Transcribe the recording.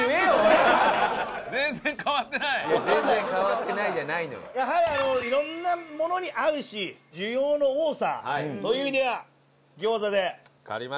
やはりいろんなものに合うし需要の多さという意味では餃子でお願いいたします。